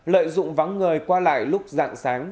lợi dụng vắng người qua lại lúc dạng sáng